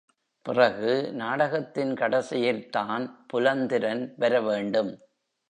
பிறகு நாடகத்தின் கடைசியில்தான் புலந்திரன் வரவேண்டும்.